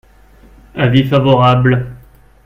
Avis favorable.